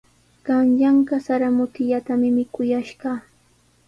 Qanyanqa sara mutillatami mikuyashqaa.